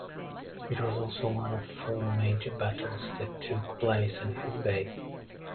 It was also one of four major battles that took place in Hubei.